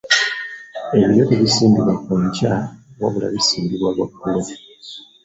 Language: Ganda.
Ebiryo tebisimbibwa ku nkya wabula bisimbibwa lwaggulo.